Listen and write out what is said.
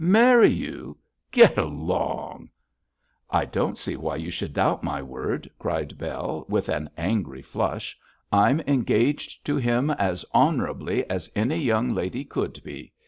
'Marry you! Get along!' 'I don't see why you should doubt my word,' cried Bell, with an angry flush. 'I'm engaged to him as honourably as any young lady could be.